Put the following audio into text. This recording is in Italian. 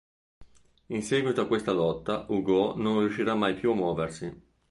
In seguito a questa lotta Hugo non riuscirà mai più a muoversi.